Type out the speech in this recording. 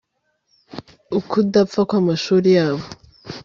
ukudapfa kw'amashuri yabo